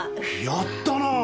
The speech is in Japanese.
やったな。